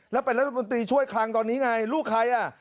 แล้วเป็นรัฐมนตรีช่วยคลังตอนนี้ไงลูกใครอ่ะ